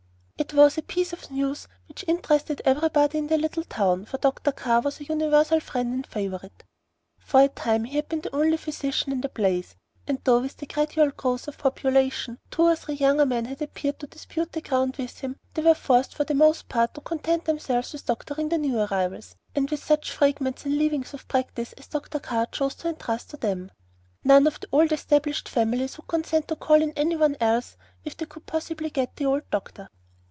It was a piece of news which interested everybody in the little town, for Dr. Carr was a universal friend and favorite. For a time he had been the only physician in the place; and though with the gradual growth of population two or three younger men had appeared to dispute the ground with him, they were forced for the most part to content themselves with doctoring the new arrivals, and with such fragments and leavings of practice as Dr. Carr chose to intrust to them. None of the old established families would consent to call in any one else if they could possibly get the "old" doctor.